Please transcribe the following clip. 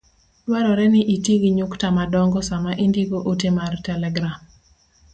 Dwarore ni iti gi nyukta madongo sama indiko ote mar telegram.